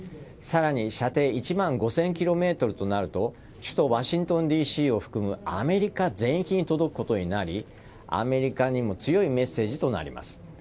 さらに射程１万５０００ｋｍとなると首都・ワシントンＤＣを含むアメリカ全域に届くことになりアメリカにも強いメッセージとなります。